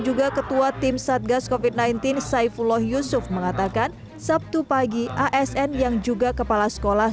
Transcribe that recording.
juga ketua tim satgas kofit sembilan belas saifullah yusuf mengatakan sabtu pagi asn yang juga kepala sekolah